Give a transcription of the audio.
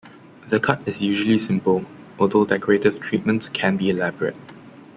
The cut is usually simple, although decorative treatments can be elaborate.